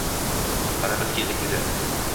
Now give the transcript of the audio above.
Mana biz keldik, dedi